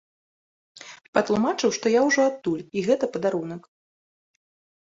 Патлумачыў, што я ўжо адтуль і гэта падарунак.